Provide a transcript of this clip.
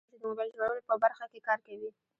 باسواده ښځې د موبایل جوړولو په برخه کې کار کوي.